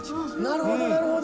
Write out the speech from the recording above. なるほどなるほど。